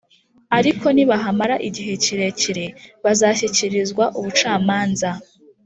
ariko nibahamara igihe kirekire, bazashyikirizwe ubucamanza.